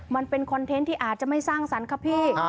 มันเป็นคอนเทนต์ที่อาจจะไม่สร้างสรรค์ครับพี่